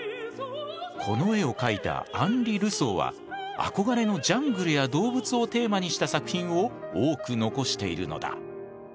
この絵を描いたアンリ・ルソーは憧れのジャングルや動物をテーマにした作品を多く残しているのだ。